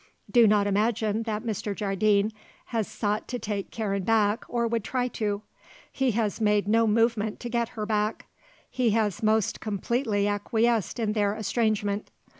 Do not imagine that Mr. Jardine has sought to take Karen back or would try to. He has made no movement to get her back. He has most completely acquiesced in their estrangement.